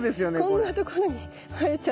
こんなところに生えちゃって。